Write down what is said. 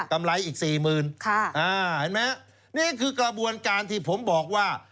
ไรอีกสี่หมื่นค่ะอ่าเห็นไหมนี่คือกระบวนการที่ผมบอกว่า